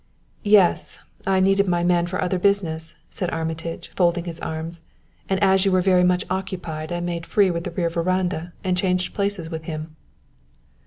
"Yes; I needed my man for other business," said Armitage, folding his arms, "and as you were very much occupied I made free with the rear veranda and changed places with him."